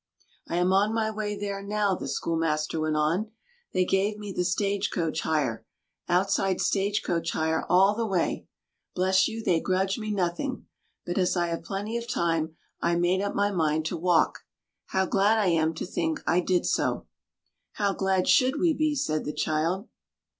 "I am on my way there now," the schoolmaster went on. "They gave me the stage coach hire—outside stage coach hire all the way. Bless you, they grudge me nothing. But as I have plenty of time, I made up my mind to walk. How glad I am to think I did so!" "How glad should we be!" said the child.